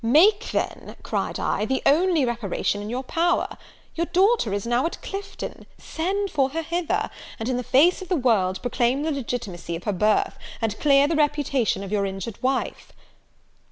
'Make then,' cried I, 'the only reparation in your power. Your daughter is now at Clifton; send for her hither; and, in the face of the world, proclaim the legitimacy of her birth, and clear the reputation of your injured wife.'